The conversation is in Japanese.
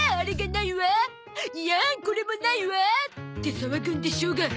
「いやんこれもないわ」って騒ぐんでしょうが！